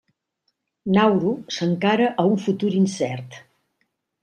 Nauru s'encara a un futur incert.